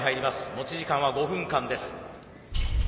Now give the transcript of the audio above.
持ち時間は５分間です。